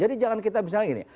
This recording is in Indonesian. jadi jangan kita misalnya begini